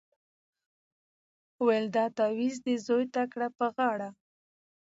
ویل دا تعویذ دي زوی ته کړه په غاړه